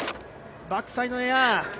バックサイドエア。